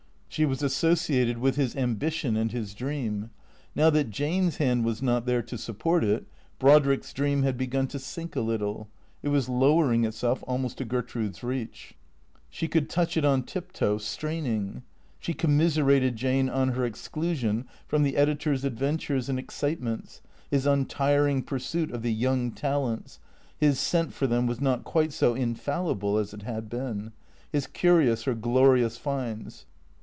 She was associated with his ambi tion and his dream. Now that Jane's hand was not there to support it, Brodrick's dream had begun to sink a little, it was lowering itself almost to Gertrude's reach. She could touch it on tiptoe, straining. She commiserated Jane on her exclusion from the editor's adventures and excitements, his untii'ing pur suit of the young talents (his scent for them was not quite so infallible as it had been), his curious or glorious finds.